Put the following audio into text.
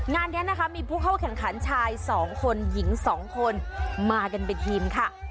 งานนี้นะคะมีผู้เข้าแข่งขันชาย๒คนหญิง๒คนมากันเป็นทีมค่ะ